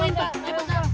bunda diamin pasang terserah